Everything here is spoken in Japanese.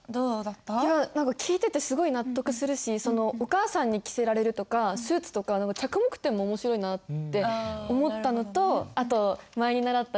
いや何か聞いててすごい納得するしそのお母さんに着せられるとかスーツとか何か着目点も面白いなって思ったのとあと前に習った何？